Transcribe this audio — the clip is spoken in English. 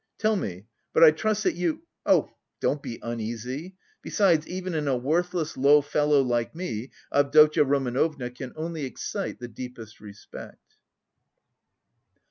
"Tell me, but I trust that you..." "Oh, don't be uneasy. Besides, even in a worthless low fellow like me, Avdotya Romanovna can only excite the deepest respect."